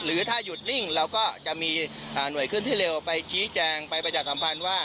หรือถ้าหยุดนิ่งแล้วก็จะมีหน่วยขึ้นที่เร็วไปชี้แจงไปประจัดสัมพันธ์ว่า